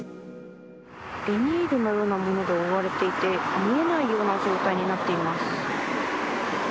ビニールのようなもので覆われていて、見えないような状態になっています。